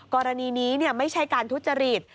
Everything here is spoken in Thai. กรณีนี้ไม่ใช่การทุจริต